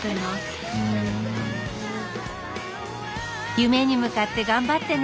夢に向かって頑張ってね。